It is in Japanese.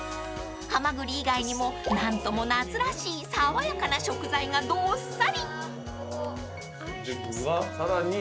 ［ハマグリ以外にも何とも夏らしい爽やかな食材がどっさり］で具がさらに？